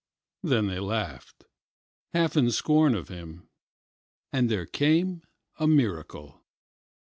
Then they laughed, half in scorn of him; and there came a miracle.